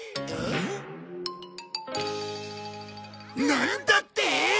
なんだって！？